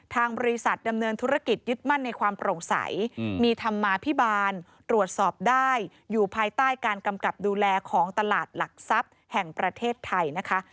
ทางบริษัทดำเนินธุรกิจยึดมั่นในความโปร่งใสมีธรรมาภิบาลตรวจสอบได้อยู่ภายใต้การกำกับดูแลของตลาดหลักทรัพย์แห่งประเทศไทยนะคะ